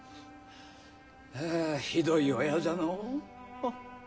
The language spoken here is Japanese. ああひどい親じゃのう。